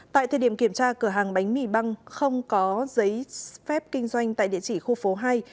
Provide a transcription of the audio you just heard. tại thời điểm kiểm tra cửa hàng bánh mì băng không có giấy phép kinh doanh tại địa chỉ khu phố hai